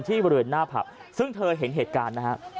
บริเวณหน้าผับซึ่งเธอเห็นเหตุการณ์นะฮะ